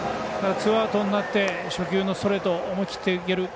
ツーアウトになって初球のストレート思い切ってやる。